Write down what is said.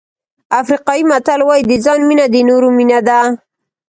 افریقایي متل وایي د ځان مینه د نورو مینه ده.